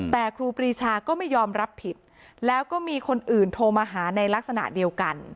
แต่ครูปรีชาก็ไม่ยอมรับผิดแล้วก็มีคนอื่นโทรมาหาในลักษณะเดียวกัน